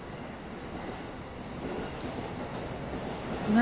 何？